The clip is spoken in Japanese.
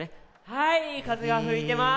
はいかぜがふいてます。